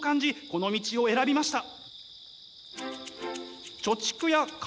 この道を選びました。